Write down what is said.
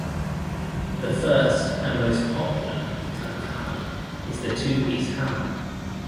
The first, and most popular, type of hammer is the two piece hammer.